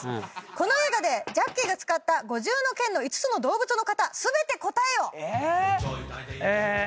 この映画でジャッキーが使った五獣の拳の５つの動物の型全て答えよ。え。